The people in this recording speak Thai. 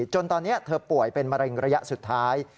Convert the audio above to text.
จนตอนนี้เธอป่วยเป็นมะเร็งระยะสุดท้าย